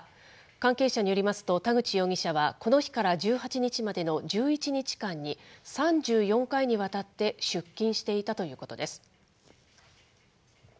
関係者によりますと、田口容疑者は、この日から１８日までの１１日間に、３４回にわたって出金していたということです。